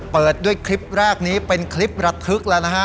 เปิดด้วยคลิปแรกนี้เป็นคลิประทึกแล้วนะฮะ